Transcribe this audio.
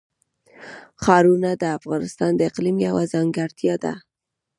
ښارونه د افغانستان د اقلیم یوه ځانګړتیا ده.